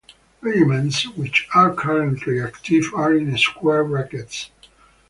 Regiments which are currently active are in square brackets.